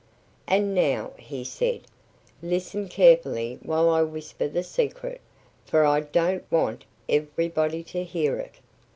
"And now," he said, "listen carefully while I whisper the secret, for I don't want everybody to hear it....